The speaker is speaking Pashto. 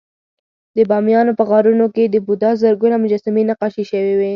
د بامیانو په غارونو کې د بودا زرګونه مجسمې نقاشي شوې وې